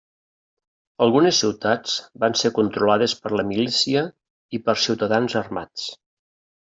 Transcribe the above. Algunes ciutats van ser controlades per la milícia i per ciutadans armats.